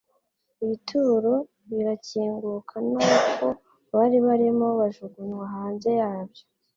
Ibituro birakinguka n'abapfu bari barimo bajugunywa hanze yabyo.